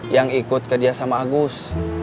yang ikut kerja sama agus